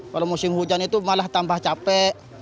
kalau musim hujan itu malah tambah capek